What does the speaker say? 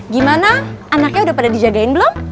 gimana anaknya udah pada dijagain belum